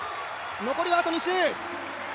残りはあと２周。